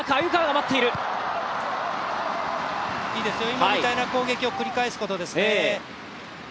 今みたいな攻撃を繰り返すことですね。